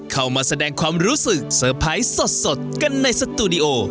เข้ามาแสดงความรู้สึกเซอร์ไพรส์สดกันในสตูดิโอ